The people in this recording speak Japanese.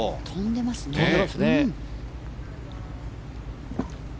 飛んでますね。